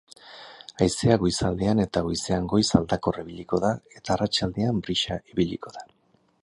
Haizea goizaldean eta goizean goiz aldakor ibiliko da eta arratsaldean brisa ibiliko da.